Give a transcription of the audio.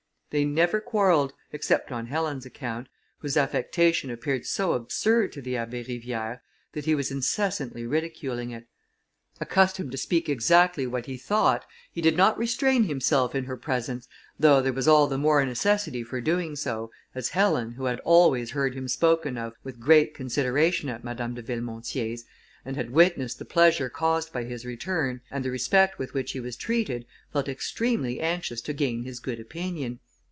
They never quarrelled, except on Helen's account, whose affectation appeared so absurd to the Abbé Rivière, that he was incessantly ridiculing it. Accustomed to speak exactly what he thought, he did not restrain himself in her presence, though there was all the more necessity for doing so, as Helen, who had always heard him spoken of with great consideration at Madame de Villemontier's, and had witnessed the pleasure caused by his return, and the respect with which he was treated, felt extremely anxious to gain his good opinion.